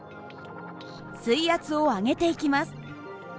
水圧を上げていきます。